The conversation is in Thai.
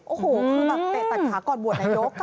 โอ้โหคือแบบเตะตัดขาก่อนโหวตนายก